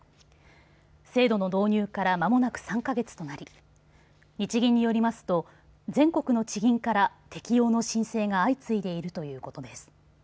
制度の導入から間もなく３か月となり日銀によりますと全国の地銀から適用の申請が相次いでいるということです。